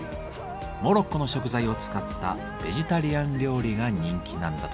モロッコの食材を使ったベジタリアン料理が人気なんだとか。